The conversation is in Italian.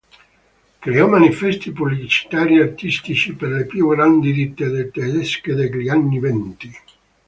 Creò manifesti pubblicitari artistici per le più grandi ditte tedesche degli anni venti.